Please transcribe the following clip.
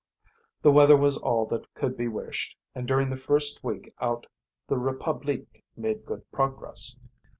The weather was all that could be wished, and during the first week out the Republique made good progress.